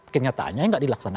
kenyataannya gak dilaksanakan